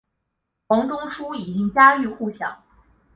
王仲殊已经家喻户晓。